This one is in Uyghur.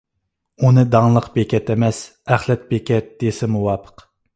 ئۇنى داڭلىق بېكەت ئەمەس، ئەخلەت بېكەت دېسە مۇۋاپىق.